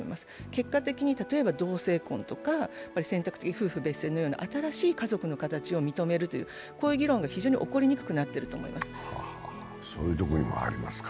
結果的に例えば同性婚とか選択的夫婦別姓のような新しい家族の形を認めるという、こういう議論が非常に起こりにくくなっていると思います。